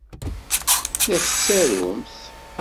La tettarumt.